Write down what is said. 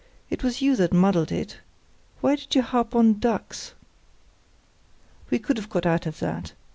It was you that muddled it. Why did you harp on ducks?" "We could have got out of that.